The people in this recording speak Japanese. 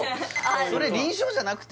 それ輪唱じゃなくて？